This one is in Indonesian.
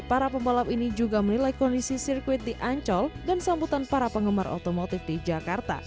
para pembalap ini juga menilai kondisi sirkuit di ancol dan sambutan para penggemar otomotif di jakarta